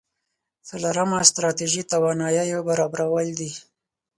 څلورمه ستراتيژي تواناییو برابرول دي.